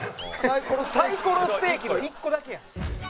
「サイコロステーキの１個だけやん」